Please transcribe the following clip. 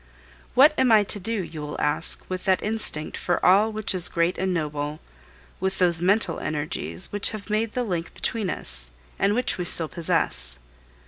What am I to do, you will ask, with that instinct for all which is great and noble, with those mental energies, which have made the link between us, and which we still possess?